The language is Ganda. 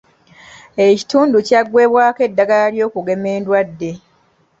Ekitundu kyaggwebwako eddagala ly'okugema endwadde.